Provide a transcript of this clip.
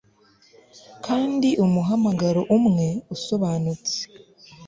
Kandi umuhamagaro umwe usobanutse